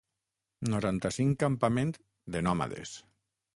Noranta-cinc campament de nòmades.